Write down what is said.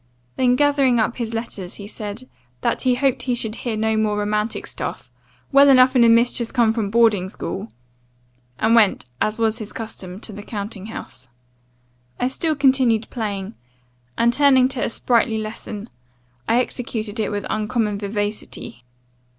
Then gathering up his letters, he said, 'That he hoped he should hear no more romantic stuff, well enough in a miss just come from boarding school;' and went, as was his custom, to the counting house. I still continued playing; and, turning to a sprightly lesson, I executed it with uncommon vivacity.